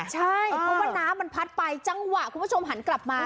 ใช่เพราะว่าน้ำมันพัดไปจังหวะคุณผู้ชมหันกลับมา